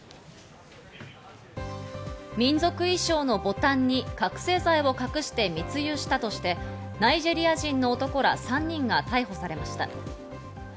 民族衣装のボタンに覚せい剤を隠して密輸したとして、ナイジェリア人の男ら３人が逮捕されました。